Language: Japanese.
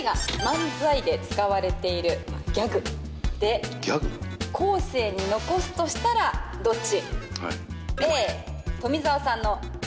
お２人が漫才で使われているギャグで後世に残すとしたらどっち。